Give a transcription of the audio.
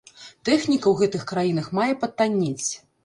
Тэхніка ў гэтых краінах мае патаннець.